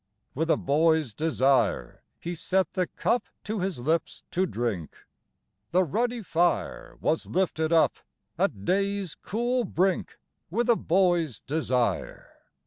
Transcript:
With a boy's desire He set the cup To his lips to drink; The ruddy fire Was lifted up At day's cool brink, With a boy's desire.